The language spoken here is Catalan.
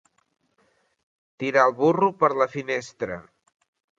Tirar el burro per la finestra.